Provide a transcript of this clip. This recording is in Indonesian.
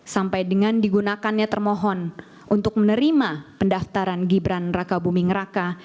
sampai dengan digunakannya termohon untuk menerima pendaftaran gibran raka buming raka